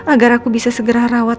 agar aku bisa segera rawat